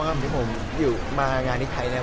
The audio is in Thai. ยี่มางานอยู่ผมอะอย่างนี้ใดคือผม